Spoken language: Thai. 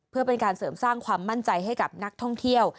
เพื่อเป็นการเสริมสร้างความมั่นใจให้กับนักท่องเที่ยว